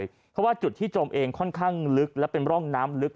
เพราะว่าจุดที่จมเองค่อนข้างลึกและเป็นร่องน้ำลึก